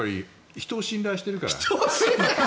人を信頼しているから。